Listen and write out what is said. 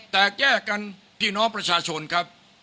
แต่แก้กันพี่น้องประชาชนครับ